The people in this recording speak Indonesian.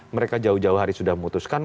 mereka jauh jauh hari sudah memutuskan